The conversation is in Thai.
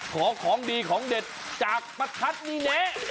ของดีของเด็ดจากประทัดนี่แนะ